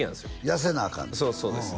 痩せなアカンねやそうそうです